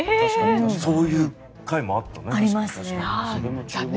そういう回もあったね。